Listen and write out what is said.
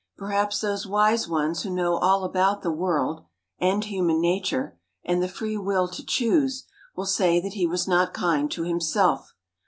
Perhaps those wise ones who know all about the world, and human nature, and the free will to choose, will say that he was not kind to himself.